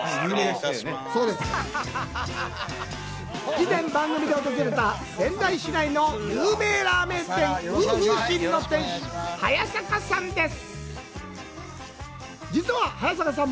以前、番組で訪れた仙台市内の有名ラーメン店「五福星」の店主、早坂さん。